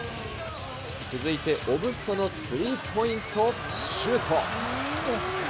続いてオブストのスリーポイントシュート。